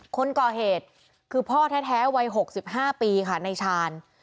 คนก่อเหตุคือพ่อแท้แท้วัยหกสิบห้าปีค่ะในชาน